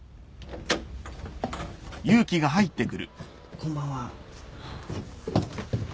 こんばんは。